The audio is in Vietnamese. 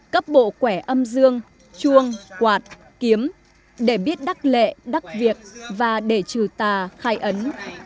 cấp bộ quẻ âm dương chuông quạt kiếm để biết đắc lệ đắc việc và để trừ tà khai ấn